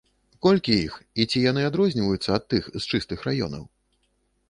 Колькі іх, і ці яны адрозніваюцца ад тых з чыстых раёнаў?